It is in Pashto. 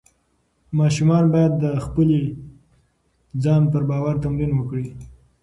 ماشوم باید د خپل ځان پر باور تمرین وکړي.